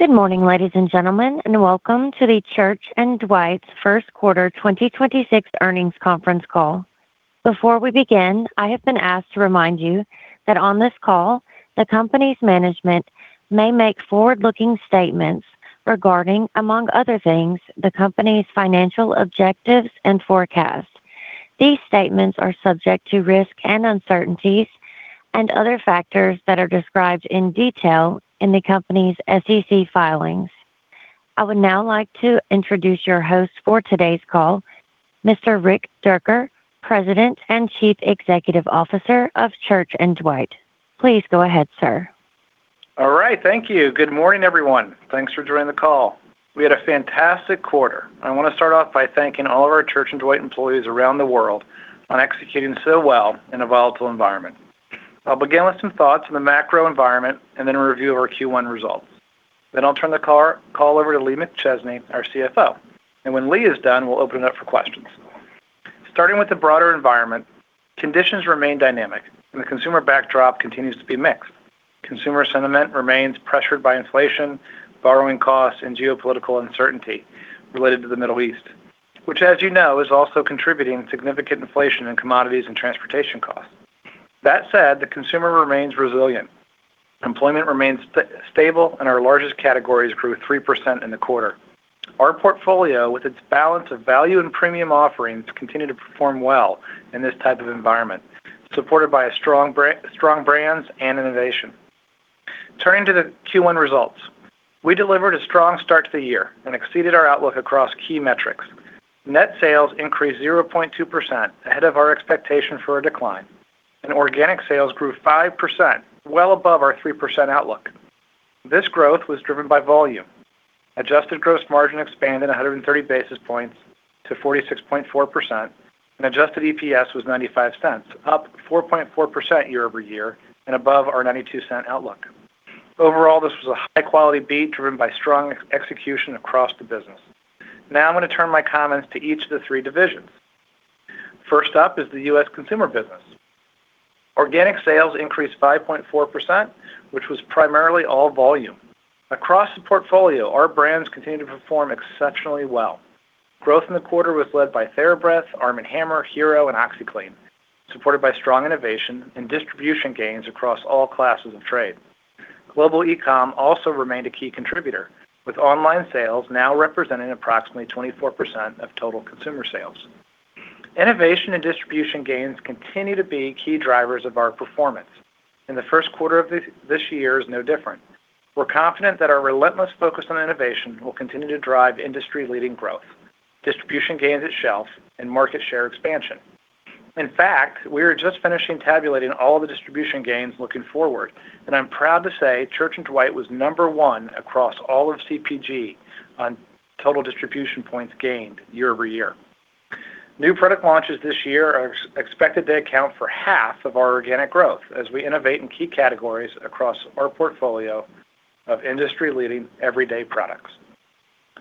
Good morning, ladies and gentlemen, welcome to the Church & Dwight's first quarter 2026 earnings conference call. Before we begin, I have been asked to remind you that on this call, the company's management may make forward-looking statements regarding, among other things, the company's financial objectives and forecasts. These statements are subject to risks and uncertainties and other factors that are described in detail in the company's SEC filings. I would now like to introduce your host for today's call, Mr. Rick Dierker, President and Chief Executive Officer of Church & Dwight. Please go ahead, sir. All right. Thank you. Good morning, everyone. Thanks for joining the call. We had a fantastic quarter. I wanna start off by thanking all of our Church & Dwight employees around the world on executing so well in a volatile environment. I'll begin with some thoughts on the macro environment and then a review of our Q1 results. Then I'll turn the call over to Lee McChesney, our CFO. When Lee is done, we'll open it up for questions. Starting with the broader environment, conditions remain dynamic, and the consumer backdrop continues to be mixed. Consumer sentiment remains pressured by inflation, borrowing costs, and geopolitical uncertainty related to the Middle East, which as you know, is also contributing significant inflation in commodities and transportation costs. That said, the consumer remains resilient. Employment remains stable, and our largest categories grew 3% in the quarter. Our portfolio, with its balance of value and premium offerings, continue to perform well in this type of environment, supported by strong brands and innovation. Turning to the Q1 results. We delivered a strong start to the year and exceeded our outlook across key metrics. Net sales increased 0.2% ahead of our expectation for a decline, and organic sales grew 5%, well above our 3% outlook. This growth was driven by volume. Adjusted gross margin expanded 130 basis points to 46.4% and adjusted EPS was $0.95, up 4.4% year-over-year and above our $0.92 outlook. Overall, this was a high-quality beat driven by strong execution across the business. Now, I'm gonna turn my comments to each of the three divisions. First up is the U.S. consumer business. Organic sales increased 5.4%, which was primarily all volume. Across the portfolio, our brands continued to perform exceptionally well. Growth in the quarter was led by TheraBreath, Arm & Hammer, Hero, and OxiClean, supported by strong innovation and distribution gains across all classes of trade. Global e-com also remained a key contributor, with online sales now representing approximately 24% of total consumer sales. Innovation and distribution gains continue to be key drivers of our performance. The first quarter of this year is no different. We're confident that our relentless focus on innovation will continue to drive industry-leading growth, distribution gains at shelf, and market share expansion. In fact, we are just finishing tabulating all the distribution gains looking forward, and I'm proud to say Church & Dwight was number one across all of CPG on total distribution points gained year-over-year. New product launches this year are expected to account for half of our organic growth as we innovate in key categories across our portfolio of industry-leading everyday products.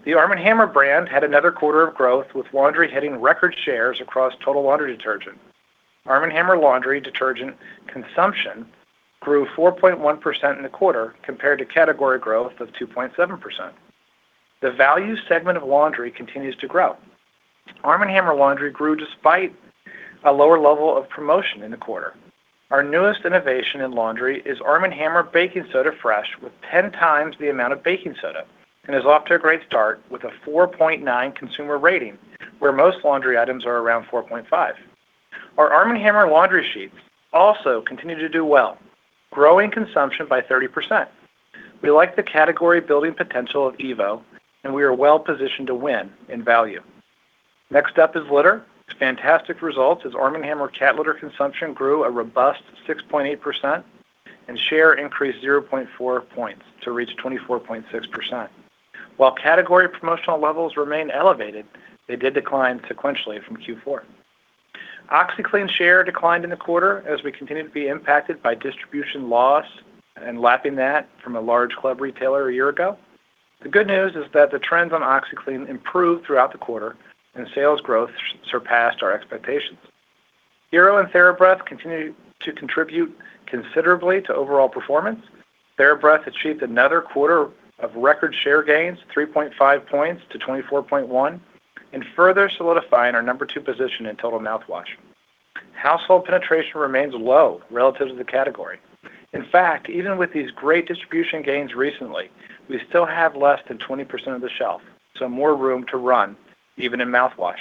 The Arm & Hammer brand had another quarter of growth, with laundry hitting record shares across total laundry detergent. Arm & Hammer laundry detergent consumption grew 4.1% in the quarter compared to category growth of 2.7%. The value segment of laundry continues to grow. Arm & Hammer laundry grew despite a lower level of promotion in the quarter. Our newest innovation in laundry is Arm & Hammer Baking Soda Fresh with 10x the amount of baking soda and is off to a great start with a 4.9 consumer rating, where most laundry items are around 4.5. Our Arm & Hammer laundry sheets also continue to do well, growing consumption by 30%. We like the category-building potential of Evo, and we are well-positioned to win in value. Next up is litter. It's fantastic results as Arm & Hammer cat litter consumption grew a robust 6.8% and share increased 0.4 points to reach 24.6%. While category promotional levels remain elevated, they did decline sequentially from Q4. OxiClean share declined in the quarter as we continue to be impacted by distribution loss and lapping that from a large club retailer a year ago. The good news is that the trends on OxiClean improved throughout the quarter and sales growth surpassed our expectations. Hero and TheraBreath continue to contribute considerably to overall performance. TheraBreath achieved another quarter of record share gains, 3.5 points to 24.1, and further solidifying our number two position in total mouthwash. Household penetration remains low relative to the category. In fact, even with these great distribution gains recently, we still have less than 20% of the shelf, so more room to run even in mouthwash.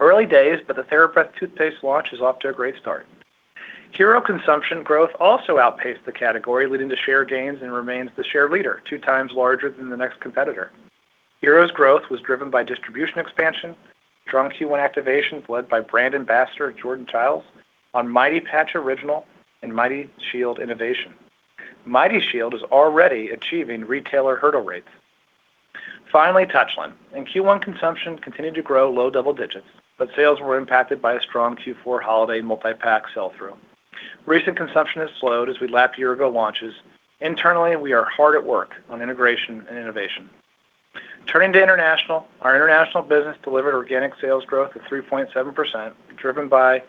Early days, the TheraBreath toothpaste launch is off to a great start. Hero consumption growth also outpaced the category, leading to share gains and remains the share leader, 2x larger than the next competitor. Hero's growth was driven by distribution expansion, strong Q1 activations led by brand ambassador Jordan Chiles on Mighty Patch Original and Mighty Shield innovation. Mighty Shield is already achieving retailer hurdle rates. Finally, Touchland. In Q1, consumption continued to grow low double digits, but sales were impacted by a strong Q4 holiday multi-pack sell-through. Recent consumption has slowed as we lap year-ago launches. Internally, we are hard at work on integration and innovation. Turning to international. Our international business delivered organic sales growth of 3.7%, driven by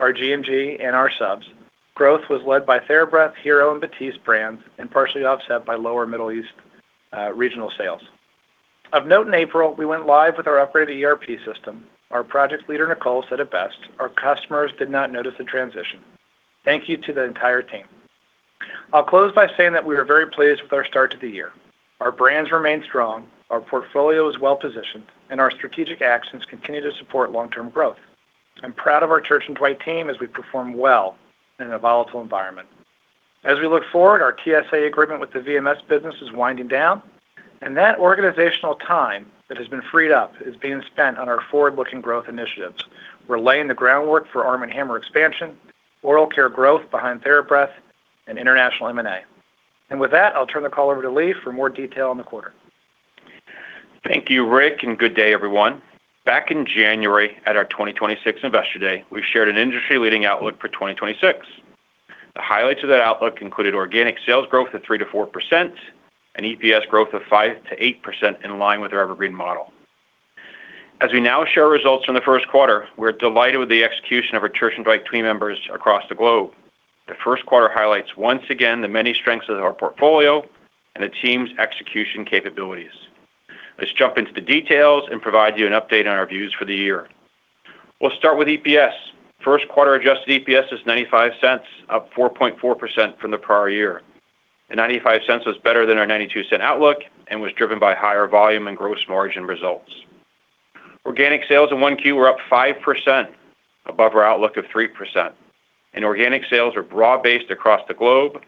our GMG and our subs. Growth was led by TheraBreath, Hero, and Batiste brands, and partially offset by lower Middle East regional sales. Of note, in April, we went live with our upgraded ERP system. Our project leader, Nicole, said it best: Our customers did not notice the transition. Thank you to the entire team. I'll close by saying that we are very pleased with our start to the year. Our brands remain strong, our portfolio is well-positioned, and our strategic actions continue to support long-term growth. I'm proud of our Church & Dwight team as we perform well in a volatile environment. As we look forward, our TSA agreement with the VMS business is winding down, and that organizational time that has been freed up is being spent on our forward-looking growth initiatives. We're laying the groundwork for Arm & Hammer expansion, oral care growth behind TheraBreath, and international M&A. With that, I'll turn the call over to Lee for more detail on the quarter. Thank you, Rick, and good day, everyone. Back in January, at our 2026 Investor Day, we shared an industry-leading outlook for 2026. The highlights of that outlook included organic sales growth of 3%-4% and EPS growth of 5%-8% in line with our evergreen model. As we now share results from the first quarter, we're delighted with the execution of our Church & Dwight team members across the globe. The first quarter highlights once again the many strengths of our portfolio and the team's execution capabilities. Let's jump into the details and provide you an update on our views for the year. We'll start with EPS. First quarter adjusted EPS is $0.95, up 4.4% from the prior year. $0.95 was better than our $0.92 outlook and was driven by higher volume and gross margin results. Organic sales in Q1 were up 5% above our outlook of 3%. Organic sales are broad-based across the globe,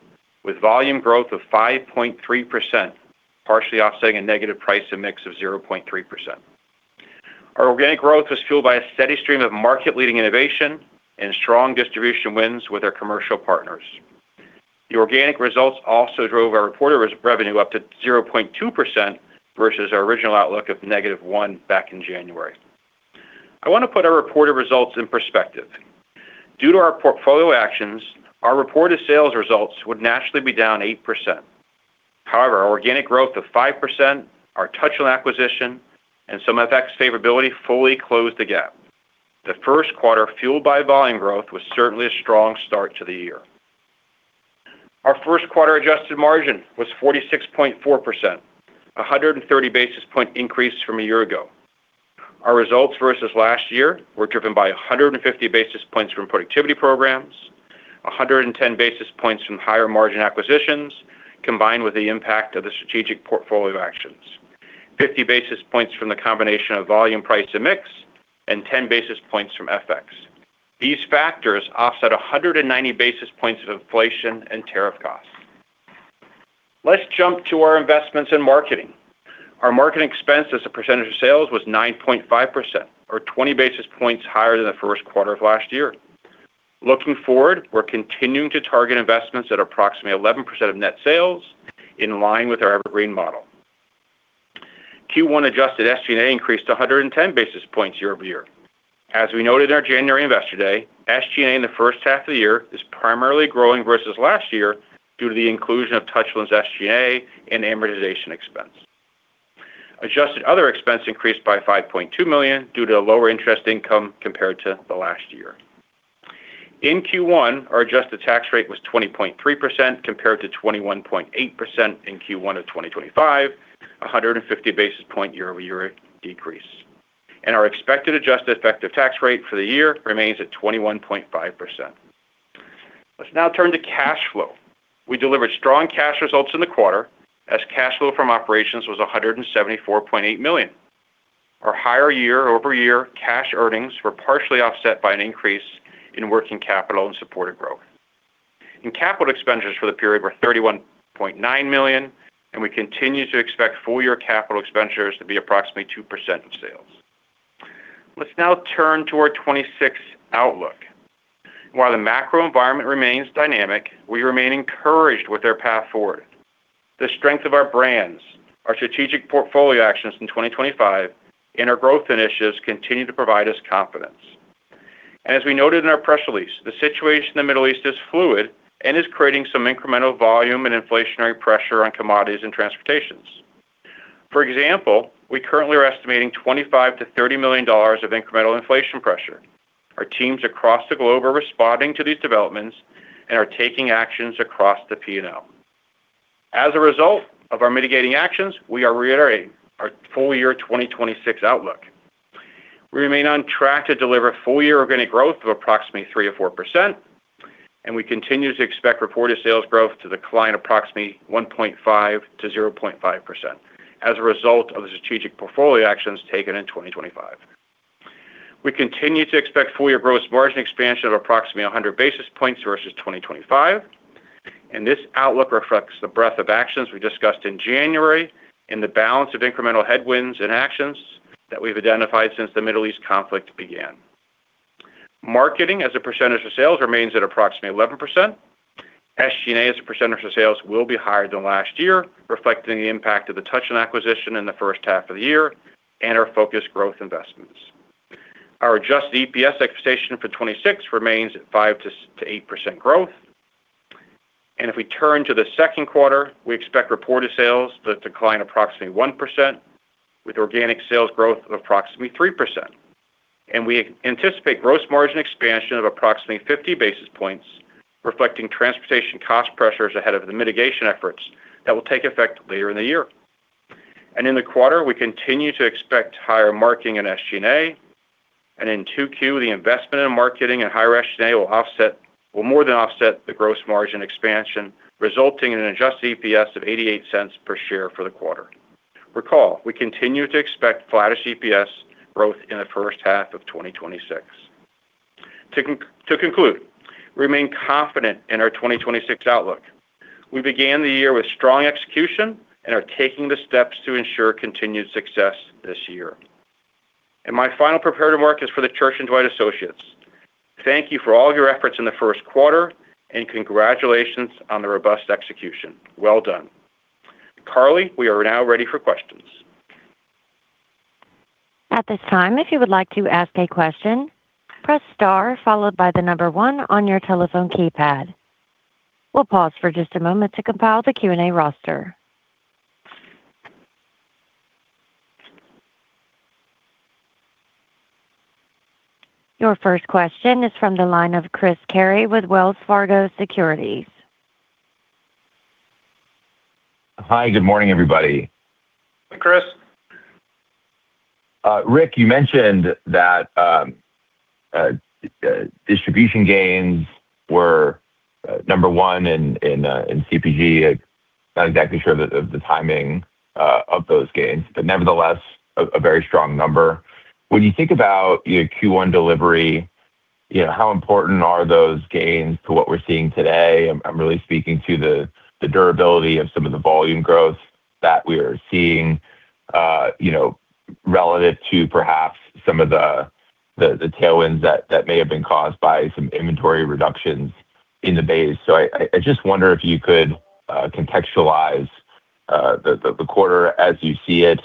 with volume growth of 5.3%, partially offsetting a negative price in mix of 0.3%. Our organic growth was fueled by a steady stream of market-leading innovation and strong distribution wins with our commercial partners. The organic results also drove our reported revenue up to 0.2% versus our original outlook of -1% back in January. I wanna put our reported results in perspective. Due to our portfolio actions, our reported sales results would naturally be down 8%. Our organic growth of 5%, our Touchland acquisition, and some FX favorability fully closed the gap. The first quarter, fueled by volume growth, was certainly a strong start to the year. Our first quarter adjusted margin was 46.4%, a 130 basis point increase from a year ago. Our results versus last year were driven by 150 basis points from productivity programs, 110 basis points from higher-margin acquisitions, combined with the impact of the strategic portfolio actions. 50 basis points from the combination of volume price and mix, and 10 basis points from FX. These factors offset 190 basis points of inflation and tariff costs. Let's jump to our investments in marketing. Our marketing expense as a percentage of sales was 9.5% or 20 basis points higher than the first quarter of last year. Looking forward, we're continuing to target investments at approximately 11% of net sales in line with our evergreen model. Q1 adjusted SG&A increased 110 basis points year-over-year. As we noted in our January Investor Day, SG&A in the first half of the year is primarily growing versus last year due to the inclusion of Touchland's SG&A and amortization expense. Adjusted other expense increased by $5.2 million due to lower interest income compared to last year. In Q1, our adjusted tax rate was 20.3% compared to 21.8% in Q1 of 2025, a 150 basis point year-over-year decrease. Our expected adjusted effective tax rate for the year remains at 21.5%. Let's now turn to cash flow. We delivered strong cash results in the quarter as cash flow from operations was $174.8 million. Our higher year-over-year cash earnings were partially offset by an increase in working capital and supported growth. Capital expenditures for the period were $31.9 million, and we continue to expect full-year capital expenditures to be approximately 2% of sales. Let's now turn to our 2026 outlook. While the macro environment remains dynamic, we remain encouraged with our path forward. The strength of our brands, our strategic portfolio actions in 2025, and our growth initiatives continue to provide us confidence. As we noted in our press release, the situation in the Middle East is fluid and is creating some incremental volume and inflationary pressure on commodities and transportations. For example, we currently are estimating $25 million-$30 million of incremental inflation pressure. Our teams across the globe are responding to these developments and are taking actions across the P&L. As a result of our mitigating actions, we are reiterating our full year 2026 outlook. We remain on track to deliver full-year organic growth of approximately 3%-4%, and we continue to expect reported sales growth to decline approximately 1.5%-0.5% as a result of the strategic portfolio actions taken in 2025. We continue to expect full-year gross margin expansion of approximately 100 basis points versus 2025, and this outlook reflects the breadth of actions we discussed in January and the balance of incremental headwinds and actions that we've identified since the Middle East conflict began. Marketing as a percentage of sales remains at approximately 11%. SG&A as a percentage of sales will be higher than last year, reflecting the impact of the Touchland acquisition in the first half of the year and our focused growth investments. Our adjusted EPS expectation for 2026 remains at 5%-8% growth. If we turn to the second quarter, we expect reported sales to decline approximately 1% with organic sales growth of approximately 3%. We anticipate gross margin expansion of approximately 50 basis points, reflecting transportation cost pressures ahead of the mitigation efforts that will take effect later in the year. In the quarter, we continue to expect higher marketing in SG&A. In 2Q, the investment in marketing and higher SG&A will more than offset the gross margin expansion, resulting in an adjusted EPS of $0.88 per share for the quarter. Recall, we continue to expect flattest EPS growth in the first half of 2026. To conclude, remain confident in our 2026 outlook. We began the year with strong execution and are taking the steps to ensure continued success this year. My final prepared remark is for the Church & Dwight Associates. Thank you for all your efforts in the first quarter, and congratulations on the robust execution. Well done. Carly, we are now ready for questions. At this time, if you would like to ask a question, press star followed by the number one on your telephone keypad. We'll pause for just a moment to compile the Q&A roster. Your first question is from the line of Chris Carey with Wells Fargo Securities. Hi. Good morning, everybody. Hi, Chris. Rick, you mentioned that distribution gains were number one in in CPG. Not exactly sure the timing of those gains, but nevertheless, a very strong number. When you think about your Q1 delivery, you know, how important are those gains to what we're seeing today? I'm really speaking to the durability of some of the volume growth that we're seeing, you know, relative to perhaps some of the tailwinds that may have been caused by some inventory reductions in the base. I just wonder if you could contextualize the quarter as you see it,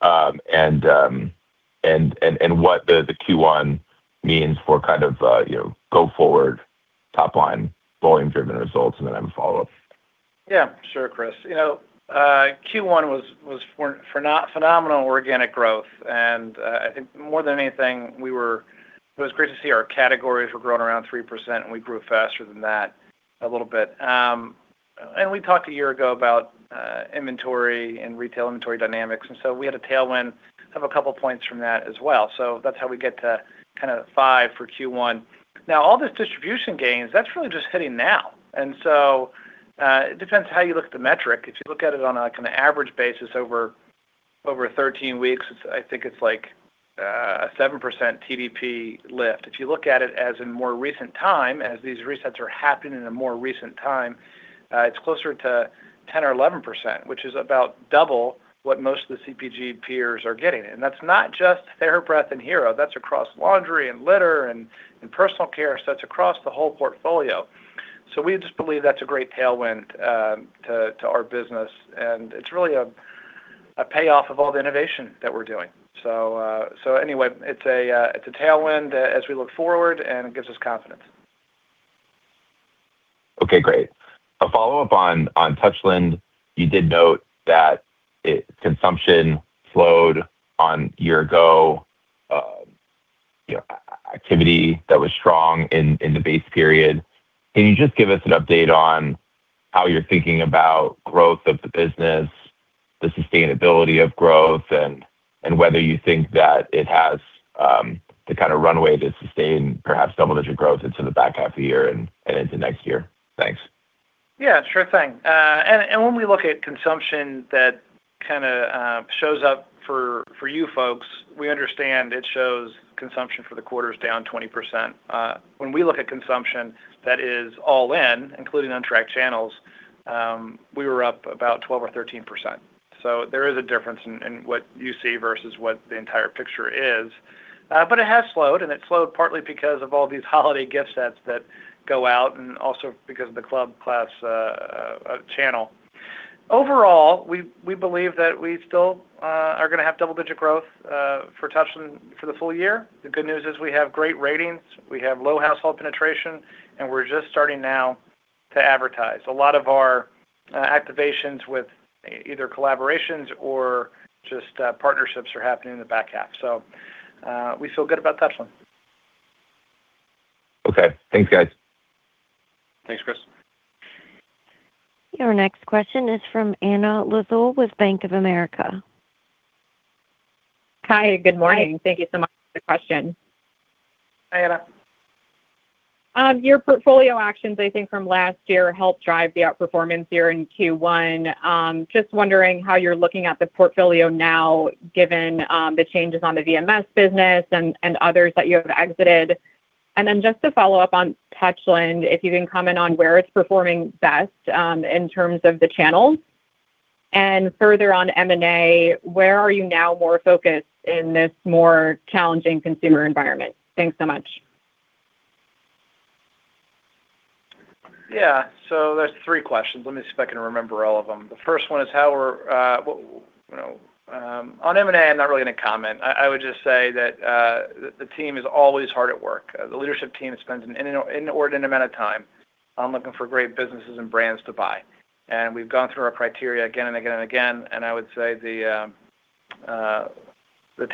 and what the Q1 means for kind of, you know, go forward top line volume-driven results. I have a follow-up. Yeah. Sure, Chris. You know, Q1 was phenomenal organic growth, and I think more than anything, it was great to see our categories were growing around 3%, and we grew faster than that a little bit. We talked a year ago about inventory and retail inventory dynamics, and so we had a tailwind of a couple points from that as well. That's how we get to kind of five for Q1. Now, all this distribution gains, that's really just hitting now. It depends how you look at the metric. If you look at it on a kind of average basis over 13 weeks, I think it's like 7% TDP lift. If you look at it as in more recent time, as these resets are happening in a more recent time, it's closer to 10% or 11%, which is about double what most of the CPG peers are getting. That's not just TheraBreath and Hero, that's across laundry and litter and personal care sets across the whole portfolio. We just believe that's a great tailwind to our business, and it's really a payoff of all the innovation that we're doing. Anyway, it's a tailwind as we look forward, and it gives us confidence. Okay, great. A follow-up on Touchland, you did note that consumption slowed on year-ago, you know, activity that was strong in the base period. Can you just give us an update on how you're thinking about growth of the business, the sustainability of growth, and whether you think that it has the kind of runway to sustain perhaps double-digit growth into the back half of the year and into next year? Thanks. Yeah, sure thing. When we look at consumption that kinda shows up for you folks, we understand it shows consumption for the quarter is down 20%. When we look at consumption that is all in, including untracked channels, we were up about 12% or 13%. There is a difference in what you see versus what the entire picture is. It has slowed, and it slowed partly because of all these holiday gift sets that go out and also because of the club class, uh, channel. Overall, we believe that we still are gonna have double-digit growth for Touchland for the full year. The good news is we have great ratings, we have low household penetration, and we're just starting now to advertise. A lot of our activations with either collaborations or just partnerships are happening in the back half. We feel good about Touchland. Okay. Thanks, guys. Thanks, Chris. Your next question is from Anna Lizzul with Bank of America. Hi. Good morning. Thank you so much for the question. Hi, Anna. Your portfolio actions, I think from last year, helped drive the outperformance here in Q1. Just wondering how you're looking at the portfolio now given the changes on the VMS business and others that you have exited. Just to follow up on Touchland, if you can comment on where it's performing best in terms of the channels. Further on M&A, where are you now more focused in this more challenging consumer environment? Thanks so much. Yeah. That's three questions. Let me see if I can remember all of them. The first one is how we're, you know, on M&A, I'm not really gonna comment. I would just say that the team is always hard at work. The leadership team spends an inordinate amount of time on looking for great businesses and brands to buy. We've gone through our criteria again and again and again, and I would say the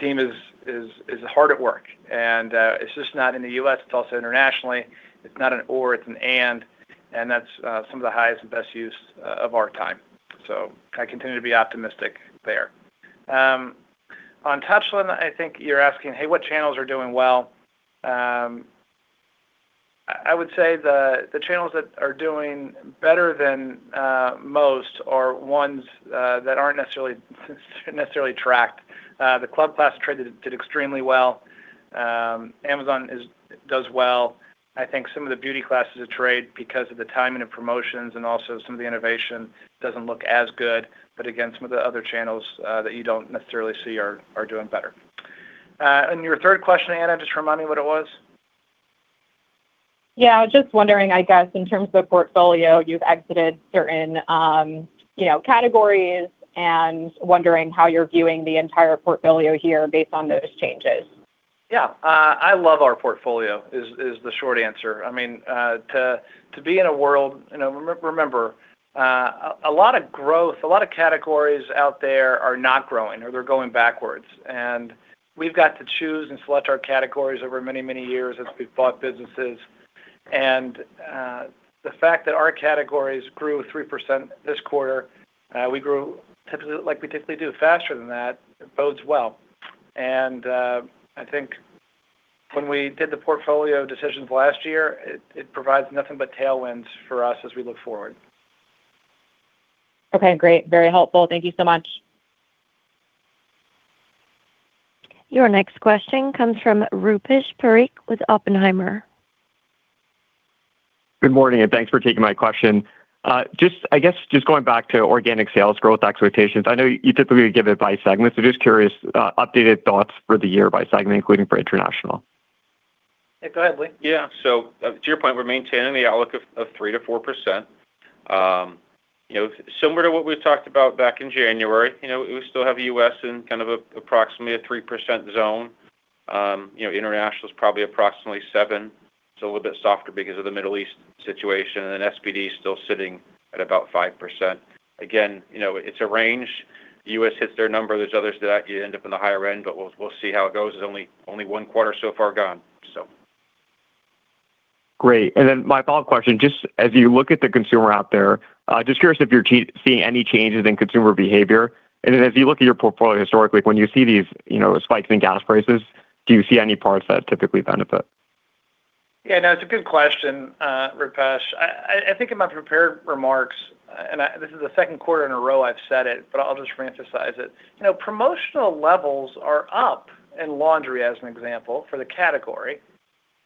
team is hard at work. It's just not in the U.S., it's also internationally. It's not an or, it's an and that's some of the highest and best use of our time. I continue to be optimistic there. On Touchland, I think you're asking, Hey, what channels are doing well? I would say the channels that are doing better than most are ones that aren't necessarily tracked. The club class trade did extremely well. Amazon does well. I think some of the beauty classes of trade, because of the timing of promotions and also some of the innovation doesn't look as good. Again, some of the other channels that you don't necessarily see are doing better. Your third question, Anna, just remind me what it was. Yeah. I was just wondering, I guess, in terms of portfolio, you've exited certain, you know, categories and wondering how you're viewing the entire portfolio here based on those changes. Yeah. I love our portfolio is the short answer. I mean, to be in a world. You know, remember, a lot of growth, a lot of categories out there are not growing or they're going backwards. We've got to choose and select our categories over many, many years as we've bought businesses. The fact that our categories grew 3% this quarter, we grew typically like we typically do faster than that, bodes well. I think when we did the portfolio decisions last year, it provides nothing but tailwinds for us as we look forward. Okay, great. Very helpful. Thank you so much. Your next question comes from Rupesh Parikh with Oppenheimer. Good morning, thanks for taking my question. I guess, just going back to organic sales growth expectations, I know you typically give it by segment, just curious, updated thoughts for the year by segment, including for international. Yeah, go ahead, Lee. To your point, we're maintaining the outlook of 3%-4%. Similar to what we talked about back in January, we still have U.S. in kind of approximately a 3% zone. International is probably approximately 7%. It's a little bit softer because of the Middle East situation. SPD is still sitting at about 5%. Again, it's a range. U.S. hits their number. There's others that you end up in the higher end, but we'll see how it goes. It's only one quarter so far gone. Great. My follow-up question, just as you look at the consumer out there, just curious if you're seeing any changes in consumer behavior? As you look at your portfolio historically, when you see these, you know, spikes in gas prices, do you see any parts that typically benefit? Yeah, no, it's a good question, Rupesh. I think in my prepared remarks, this is the second quarter in a row I've said it, but I'll just reemphasize it. You know, promotional levels are up in laundry, as an example, for the category.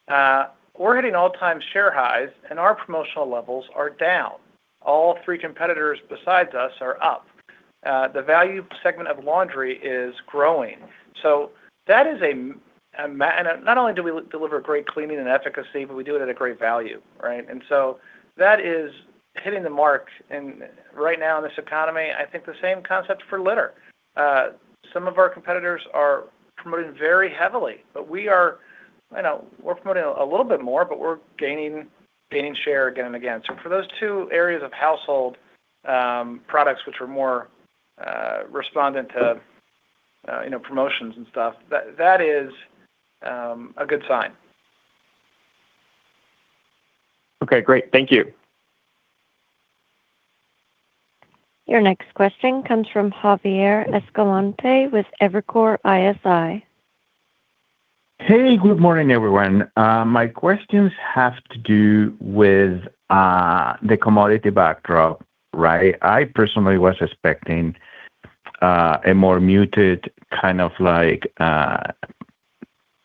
We're hitting all-time share highs, and our promotional levels are down. All three competitors besides us are up. The value segment of laundry is growing. That is and not only do we deliver great cleaning and efficacy, but we do it at a great value, right? That is hitting the mark. Right now in this economy, I think the same concept for litter. Some of our competitors are promoting very heavily, but we are, you know, we're promoting a little bit more, but we're gaining share again and again. For those two areas of household, products which are more, respondent to, you know, promotions and stuff, that is, a good sign. Okay, great. Thank you. Your next question comes from Javier Escalante with Evercore ISI. Hey, good morning, everyone. My questions have to do with the commodity backdrop, right? I personally was expecting a more muted kind of like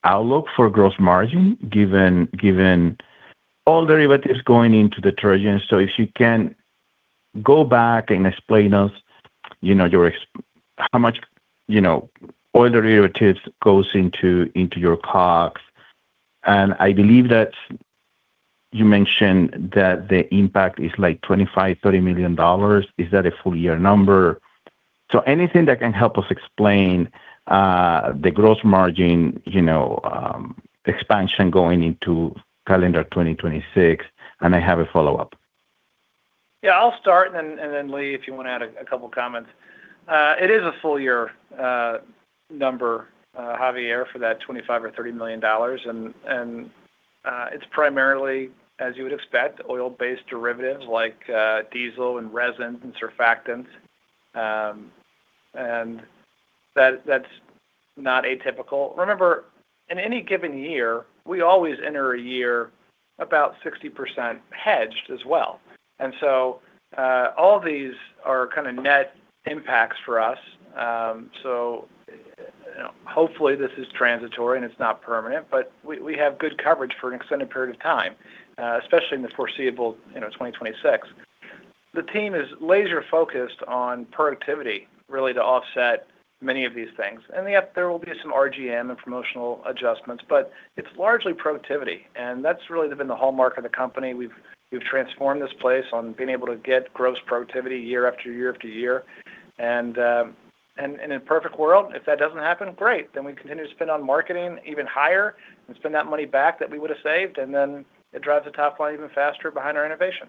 outlook for gross margin given all derivatives going into detergent. If you can go back and explain us, you know, your how much, you know, oil derivatives goes into your COGS. I believe that you mentioned that the impact is like $25 million-$30 million. Is that a full year number? Anything that can help us explain the gross margin, you know, expansion going into calendar 2026. I have a follow-up. Yeah, I'll start and then Lee, if you wanna add a couple comments. It is a full year number, Javier, for that $25 million or $30 million. It's primarily, as you would expect, oil-based derivatives like diesel and resin and surfactants. That's not atypical. Remember, in any given year, we always enter a year about 60% hedged as well. All these are kind of net impacts for us. You know, hopefully, this is transitory and it's not permanent, but we have good coverage for an extended period of time, especially in the foreseeable, you know, 2026. The team is laser-focused on productivity really to offset many of these things. Yet there will be some RGM and promotional adjustments, but it's largely productivity, and that's really been the hallmark of the company. We've transformed this place on being able to get gross productivity year after year after year. In a perfect world, if that doesn't happen, great, then we continue to spend on marketing even higher and spend that money back that we would have saved, and then it drives the top line even faster behind our innovation.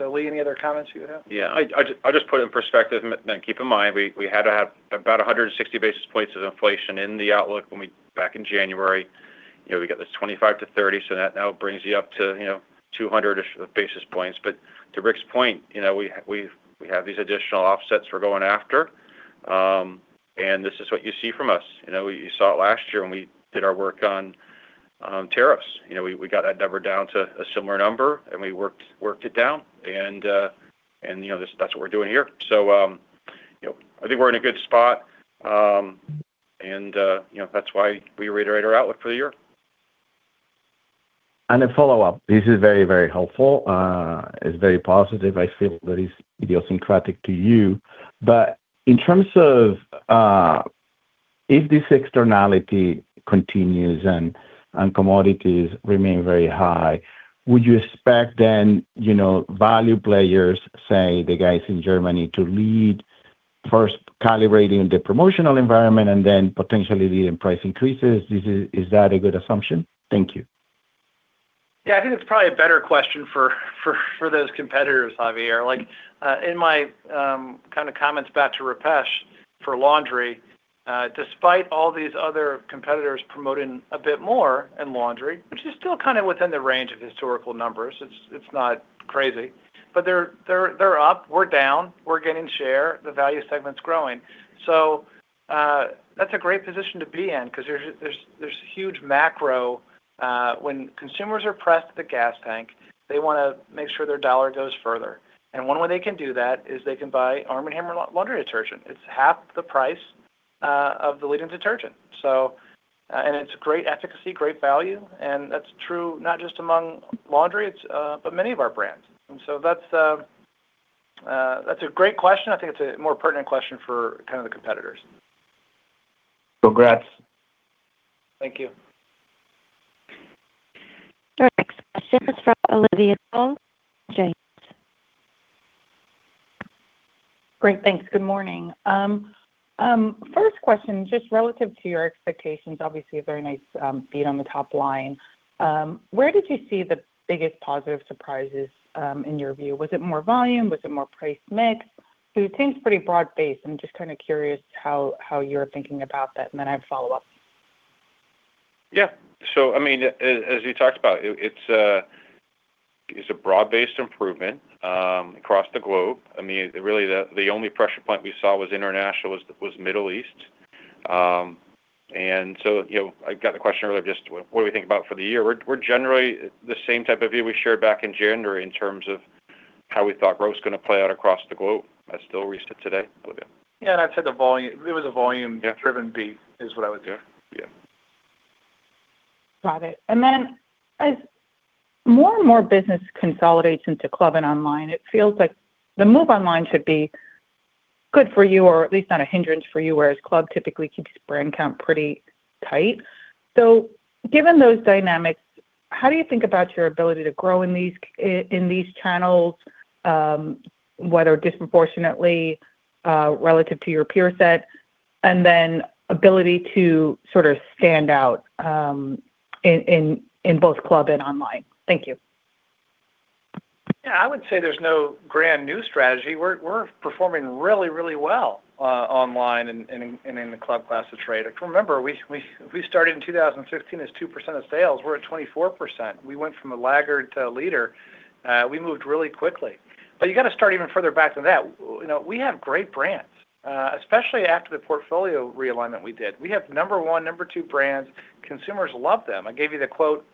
Lee, any other comments you have? Yeah. I just put it in perspective, keep in mind, we had to have about 160 basis points of inflation in the outlook back in January. You know, we got this 25%-30%, that now brings you up to, you know, 200-ish basis points. To Rick's point, you know, we have these additional offsets we're going after, this is what you see from us. You know, you saw it last year when we did our work on tariffs. You know, we got that number down to a similar number, we worked it down. You know, that's what we're doing here. You know, I think we're in a good spot, and, you know, that's why we reiterate our outlook for the year. A follow-up. This is very, very helpful. It's very positive. I feel that is idiosyncratic to you. In terms of, if this externality continues and commodities remain very high, would you expect then, you know, value players, say, the guys in Germany, to lead first calibrating the promotional environment and then potentially leading price increases? Is that a good assumption? Thank you. Yeah. I think it's probably a better question for those competitors, Javier. In my kind of comments back to Rupesh for laundry, despite all these other competitors promoting a bit more in laundry, which is still kind of within the range of historical numbers, it's not crazy, but they're up, we're down, we're gaining share, the value segment's growing. That's a great position to be in because there's huge macro. When consumers are pressed at the gas tank, they want to make sure their dollar goes further. One way they can do that is they can buy Arm & Hammer laundry detergent. It's half the price of the leading detergent. And it's great efficacy, great value, and that's true not just among laundry, but many of our brands. That's a great question. I think it's a more pertinent question for kind of the competitors. Congrats. Thank you. Our next question is from Olivia Tong Cheang. Great. Thanks. Good morning. First question, just relative to your expectations, obviously a very nice beat on the top line. Where did you see the biggest positive surprises in your view? Was it more volume? Was it more price mix? It seems pretty broad-based. I'm just kinda curious how you're thinking about that. Then I have follow-up. Yeah. As you talked about, it's a broad-based improvement across the globe. Really the only pressure point we saw was international Middle East. You know, I got the question earlier just what do we think about for the year. We're generally the same type of view we shared back in January in terms of how we thought growth's gonna play out across the globe. That's still where we sit today, Olivia. Yeah. It was a volume- driven beat is what I would say. Yeah. Yeah. Got it. As more and more business consolidates into club and online, it feels like the move online should be good for you or at least not a hindrance for you, whereas club typically keeps brand count pretty tight. Given those dynamics, how do you think about your ability to grow in these channels, whether disproportionately relative to your peer set, and then ability to sort of stand out in both club and online? Thank you. Yeah. I would say there's no grand new strategy. We're performing really, really well online and in the club class of trade. Remember, we started in 2015 as 2% of sales. We're at 24%. We went from a laggard to a leader. We moved really quickly. You got to start even further back than that. You know, we have great brands, especially after the portfolio realignment we did. We have number one, number two brands. Consumers love them. I gave you the quote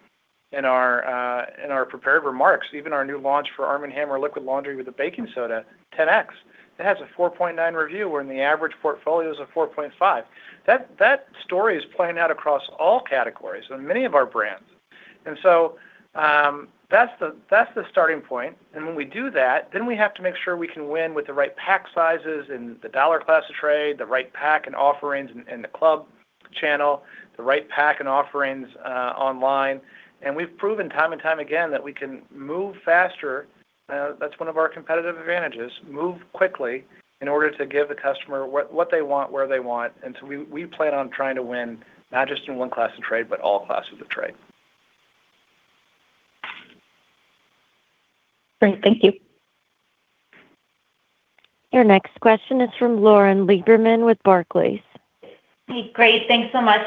in our prepared remarks. Even our new launch for Arm & Hammer liquid laundry with the baking soda, 10X, it has a 4.9 review, wherein the average portfolio is a 4.5. That story is playing out across all categories on many of our brands. That's the starting point. When we do that, we have to make sure we can win with the right pack sizes in the dollar class of trade, the right pack and offerings in the club channel, the right pack and offerings online. We've proven time and time again that we can move faster. That's one of our competitive advantages. Move quickly in order to give the customer what they want, where they want. We plan on trying to win not just in one class of trade, but all classes of trade. Great. Thank you. Your next question is from Lauren R. Lieberman with Barclays. Hey. Great. Thanks so much.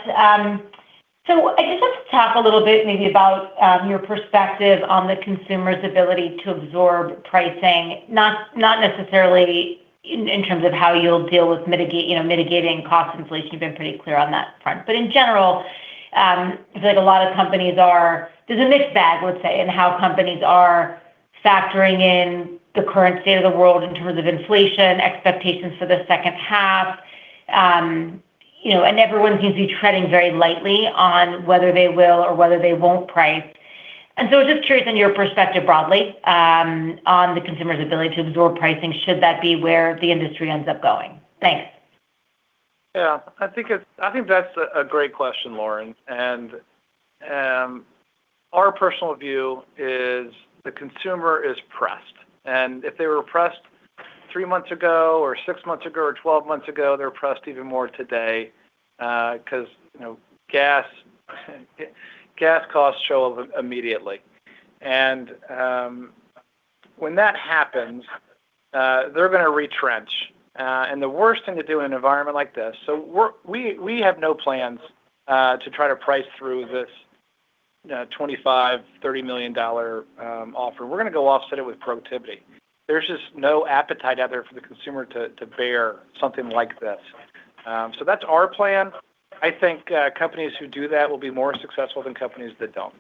I just want to talk a little bit maybe about your perspective on the consumer's ability to absorb pricing, not necessarily in terms of how you'll deal with mitigate, you know, mitigating cost inflation. You've been pretty clear on that front. In general, I feel like a lot of companies there's a mixed bag, let's say, in how companies are factoring in the current state of the world in terms of inflation, expectations for the second half. You know, everyone seems to be treading very lightly on whether they will or whether they won't price. I'm just curious on your perspective broadly, on the consumer's ability to absorb pricing, should that be where the industry ends up going? Thanks. Yeah. I think that's a great question, Lauren. Our personal view is the consumer is pressed. If they were pressed three months ago or six months ago or 12 months ago, they're pressed even more today, 'cause, you know, gas costs show up immediately. When that happens, they're gonna retrench. The worst thing to do in an environment like this. We have no plans to try to price through this, you know, $25 million-$30 million offer. We're gonna go offset it with productivity. There's just no appetite out there for the consumer to bear something like this. That's our plan. I think companies who do that will be more successful than companies that don't.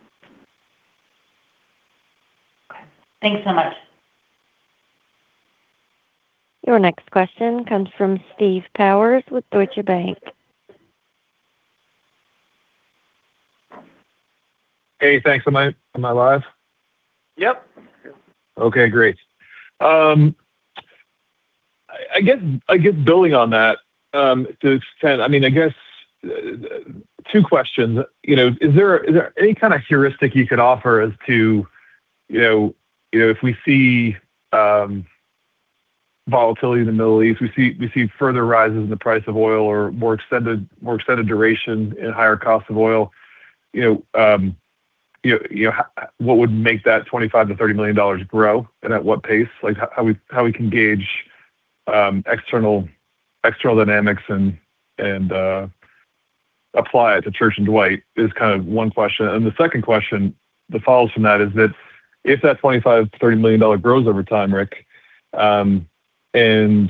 Okay. Thanks so much. Your next question comes from Steve Powers with Deutsche Bank. Hey, thanks. Am I live? Yep. Okay, great. I guess building on that, to an extent, I mean, I guess two questions. You know, is there any kind of heuristic you could offer as to, you know, if we see volatility in the Middle East, we see further rises in the price of oil or more extended duration and higher cost of oil, you know, what would make that $25 million-$30 million grow, and at what pace? Like, how we can gauge external dynamics and apply it to Church & Dwight is kind of one question. The second question that follows from that is that if that $25 million, $30 million grows over time, Rick, and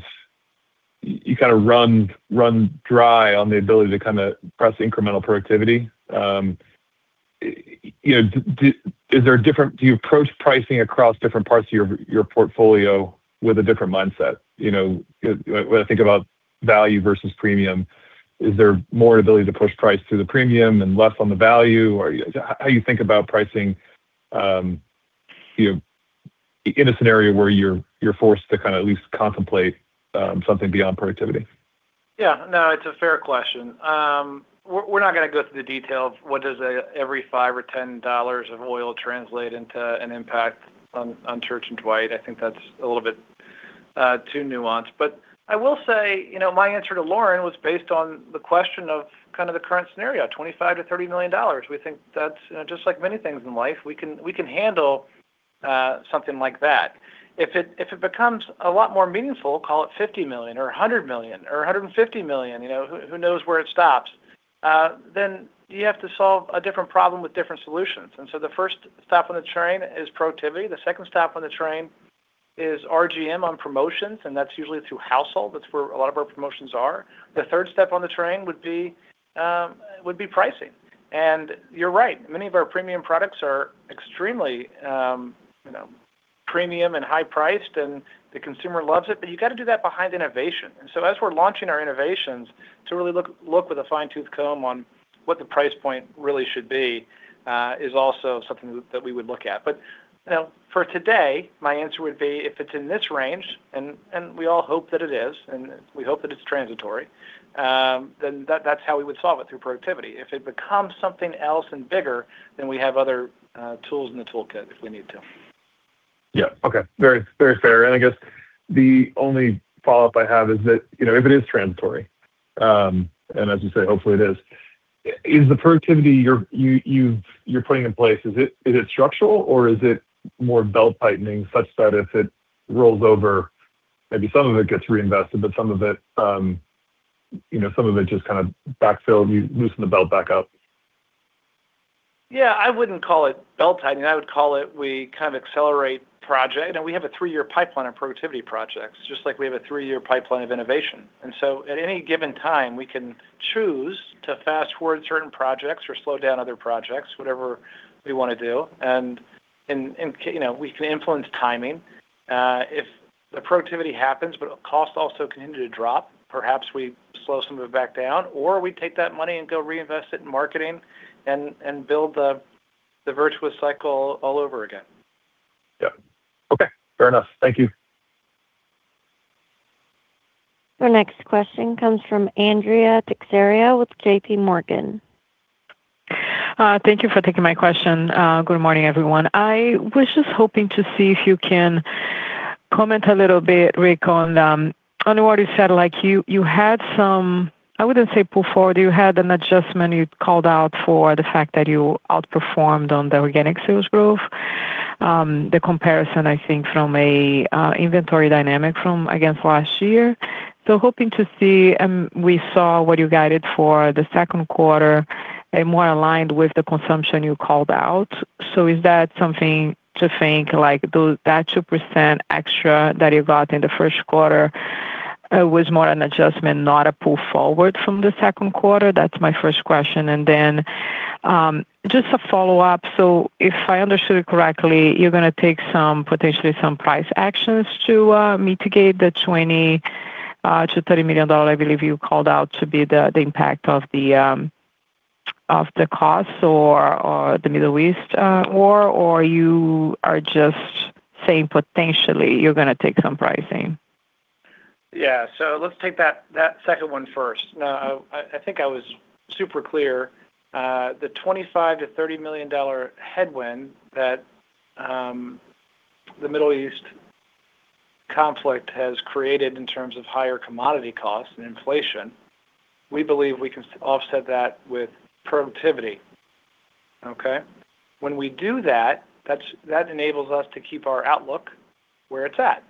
you kind of run dry on the ability to kinda press incremental productivity, you know, is there different do you approach pricing across different parts of your portfolio with a different mindset? You know, when I think about value versus premium, is there more ability to push price through the premium and less on the value? Or how you think about pricing, you know, in a scenario where you're forced to kinda at least contemplate something beyond productivity? Yeah. No, it's a fair question. We're, we're not gonna go through the detail of what does every $5 or $10 of oil translate into an impact on Church & Dwight. I think that's a little bit too nuanced. I will say, you know, my answer to Lauren was based on the question of kind of the current scenario, $25 million-$30 million. We think that's, you know, just like many things in life, we can handle something like that. If it becomes a lot more meaningful, call it $50 million or $100 million or $150 million, you know, who knows where it stops, then you have to solve a different problem with different solutions. So the first stop on the train is productivity. The second stop on the train is RGM on promotions, that's usually through household. That's where a lot of our promotions are. The third step on the train would be pricing. You're right. Many of our premium products are extremely, you know, premium and high priced, and the consumer loves it, but you gotta do that behind innovation. As we're launching our innovations to really look with a fine-tooth comb on what the price point really should be, is also something that we would look at. You know, for today, my answer would be if it's in this range, and we all hope that it is, and we hope that it's transitory, then that's how we would solve it, through productivity. If it becomes something else and bigger, then we have other tools in the toolkit if we need to. Yeah. Okay. Very, very fair. I guess the only follow-up I have is that, you know, if it is transitory, and as you say, hopefully it is the productivity you're putting in place, is it, is it structural or is it more belt-tightening such that if it rolls over, maybe some of it gets reinvested, but some of it, you know, some of it just kinda backfill, you loosen the belt back up? Yeah. I wouldn't call it belt-tightening. I would call it we kind of accelerate project. You know, we have a three-year pipeline of productivity projects, just like we have a three-year pipeline of innovation. At any given time, we can choose to fast-forward certain projects or slow down other projects, whatever we wanna do. You know, we can influence timing. If the productivity happens, but costs also continue to drop, perhaps we slow some of it back down, or we take that money and go reinvest it in marketing and build the virtuous cycle all over again. Yeah. Okay. Fair enough. Thank you. Your next question comes from Andrea Teixeira with JPMorgan. Thank you for taking my question. Good morning, everyone. I was just hoping to see if you can comment a little bit, Rick, on what you said, you had some, I wouldn't say pull forward, you had an adjustment you called out for the fact that you outperformed on the organic sales growth. The comparison, I think, from a inventory dynamic from against last year. Hoping to see, we saw what you guided for the second quarter, a more aligned with the consumption you called out. Is that something to think, that 2% extra that you got in the first quarter, was more an adjustment, not a pull forward from the second quarter? That's my first question. Then, just a follow-up. If I understood correctly, you're gonna take some, potentially some price actions to mitigate the $20 million-$30 million, I believe you called out to be the impact of the costs or the Middle East war, or you are just saying potentially you're gonna take some pricing? Yeah. Let's take that second one first. No, I think I was super clear. The $25 million-$30 million headwind that the Middle East conflict has created in terms of higher commodity costs and inflation, we believe we can offset that with productivity. Okay? When we do that enables us to keep our outlook where it's at.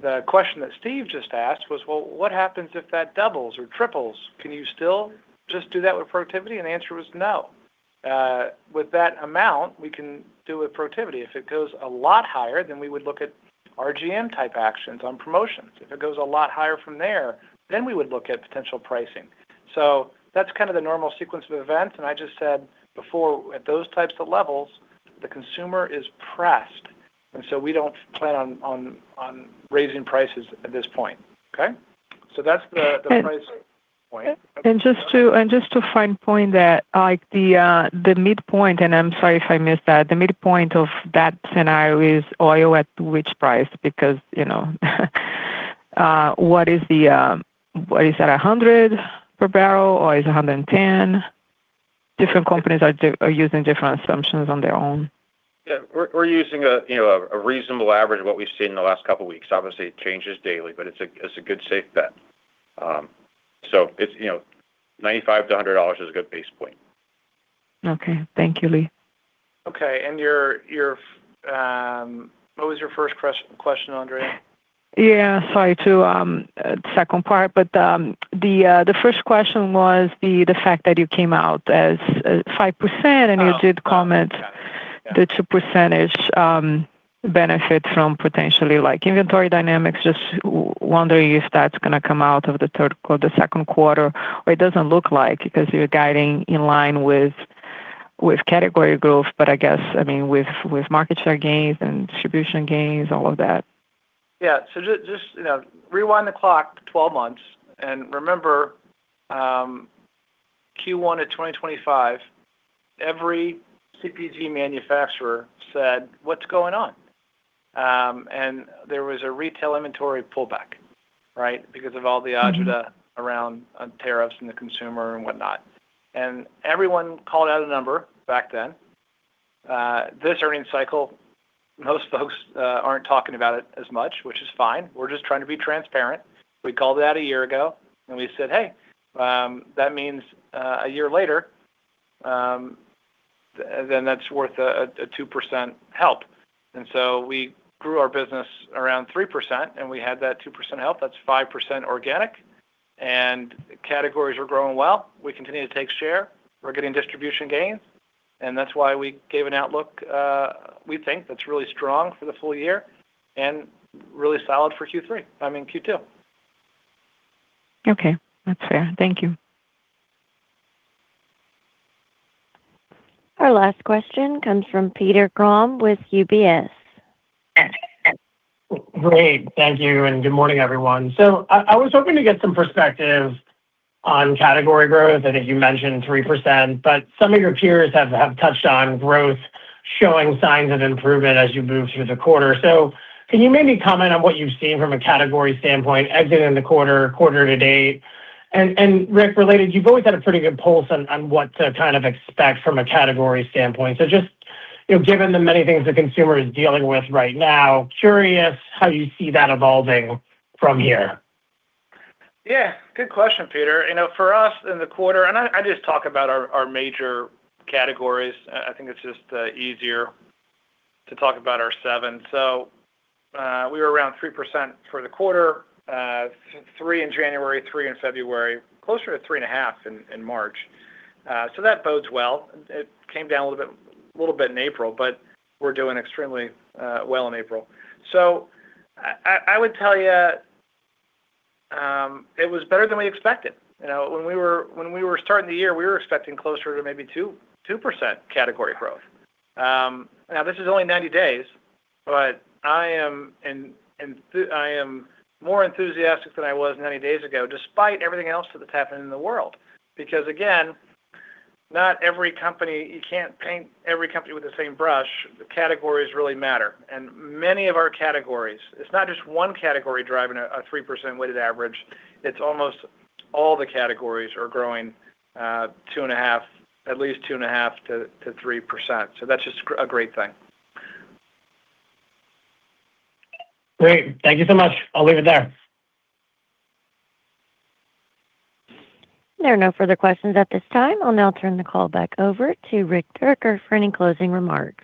The question that Steve just asked was, Well, what happens if that doubles or triples? Can you still just do that with productivity? The answer was no. With that amount, we can do with productivity. If it goes a lot higher, we would look at RGM type actions on promotions. If it goes a lot higher from there, we would look at potential pricing. That's kind of the normal sequence of events, and I just said before, at those types of levels, the consumer is pressed, and so we don't plan on raising prices at this point. Okay. That's the. And- The pricing point. Just to fine point that, like the midpoint, and I'm sorry if I missed that, the midpoint of that scenario is oil at which price? You know, what is the, what is that, 100 per barrel or is it 110? Different companies are using different assumptions on their own. Yeah. We're using a, you know, a reasonable average of what we've seen in the last couple of weeks. Obviously, it changes daily, but it's a good safe bet. It's, you know, $95-$100 is a good base point. Okay. Thank you, Lee. Okay. What was your first question, Andrea? Yeah. Sorry. To second part, but the first question was the fact that you came out as 5%. Oh and you did comment- Got it. Yeah.... the 2% benefit from potentially like inventory dynamics. Just wondering if that's gonna come out of the third or the second quarter, or it doesn't look like because you're guiding in line with category growth, but I guess, I mean, with market share gains and distribution gains, all of that. Yeah. Just, you know, rewind the clock 12 months and remember, Q1 2025, every CPG manufacturer said, What's going on? There was a retail inventory pullback, right, because of all the- Mm-hmm agenda around, on tariffs and the consumer and whatnot. Everyone called out a number back then. This earnings cycle, most folks aren't talking about it as much, which is fine. We're just trying to be transparent. We called it out a year ago and we said, Hey, that means a year later, then that's worth a 2% help. We grew our business around 3% and we had that 2% help. That's 5% organic. Categories are growing well. We continue to take share. We're getting distribution gains, and that's why we gave an outlook, we think that's really strong for the full year and really solid for Q2. Okay. That's fair. Thank you. Our last question comes from Peter Grom with UBS. Great. Thank you, and good morning, everyone. I was hoping to get some perspective on category growth. I think you mentioned 3%, but some of your peers have touched on growth showing signs of improvement as you move through the quarter. Can you maybe comment on what you've seen from a category standpoint exiting the quarter to date? Rick, related, you've always had a pretty good pulse on what to kind of expect from a category standpoint. Just, you know, given the many things the consumer is dealing with right now, curious how you see that evolving from here. Yeah. Good question, Peter. You know, for us in the quarter... I just talk about our major categories. I think it's just easier to talk about our seven. We were around 3% for the quarter, three in January, three in February, closer to 3.5 in March. That bodes well. It came down a little bit in April, but we're doing extremely well in April. I would tell you, it was better than we expected. You know, when we were starting the year, we were expecting closer to maybe 2% category growth. Now this is only 90 days, but I am more enthusiastic than I was 90 days ago despite everything else that's happened in the world. Again, not every company. You can't paint every company with the same brush. The categories really matter. Many of our categories, it's not just one category driving a 3% weighted average, it's almost all the categories are growing 2.5%, at least 2.5%-3%. That's just a great thing. Great. Thank you so much. I'll leave it there. There are no further questions at this time. I'll now turn the call back over to Rick Dierker for any closing remarks.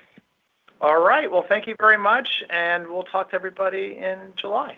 All right. Well, thank you very much. We'll talk to everybody in July.